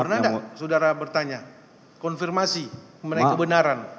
pernah tidak saudara bertanya konfirmasi menaik kebenaran